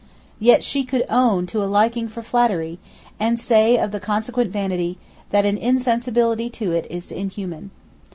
Yet she could own to a liking for flattery, and say of the consequent vanity, that an insensibility to it is inhuman.